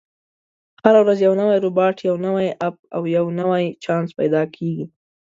هره ورځ یو نوی روباټ، یو نوی اپ، او یو نوی چانس پیدا کېږي.